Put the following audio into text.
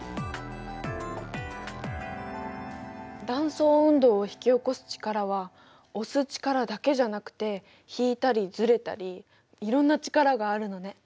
断層運動を引き起こす力は押す力だけじゃなくて引いたりずれたりいろんな力があるのね。